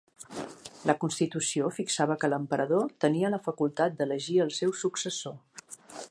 La constitució fixava que l'emperador tenia la facultat d'elegir el seu successor.